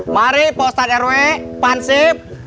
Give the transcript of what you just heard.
mari pak ustad rw pansib